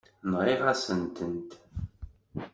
Nɣiɣ-asent-tent.